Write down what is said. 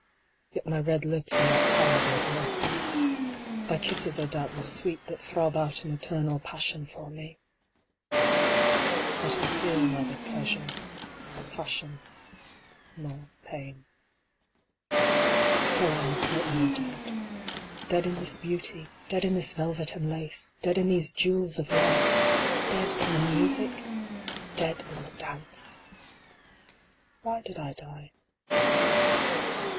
Yet my red lips are not pallid and horrified. Thy kisses are doubtless sweet that throb out an eternal passion for me ! But I feel neither pleasure, passion nor pain. So I am certainly dead. Dead in this beauty ! Dead in this velvet and lace ! Dead in these jewels of light ! Dead in the music ! Dead in the dance ! II. Why did I die